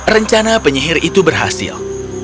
rencana penyihir itu berhasil